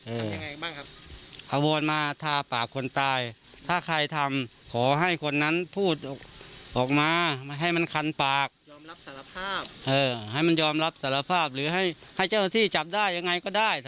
เอาบอลมาทาปากคนตายถ้าใครทำขอให้คนนั้นพูดออกมาให้มันคันปากให้มันยอมรับสารภาพหรือให้ให้เจ้าที่จับได้ยังไงก็ได้